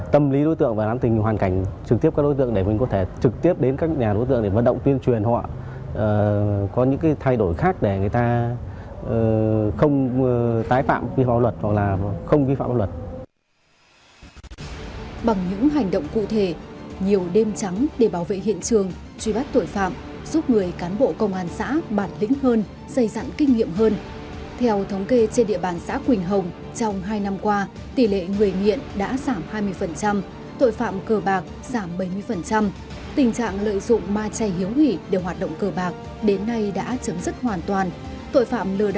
theo thống kê trên địa bàn xã quỳnh hồng trong hai năm qua tỷ lệ người nghiện đã giảm hai mươi tội phạm cờ bạc giảm bảy mươi tình trạng lợi dụng ma chay hiếu hủy để hoạt động cờ bạc đến nay đã chấm dứt hoàn toàn tội phạm lừa đảo qua mạng giảm năm mươi tình hình an ninh trả tự được giữ vững ổn định không phát sinh các thụ điểm phức tạp